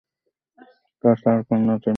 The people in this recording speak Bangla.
তার চার কন্যা ও তিন পুত্র সন্তান রয়েছে।